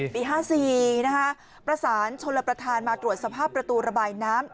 ปี๕๔ประสานชนรับประทานมาตรวจสภาพประตูระบายน้ำ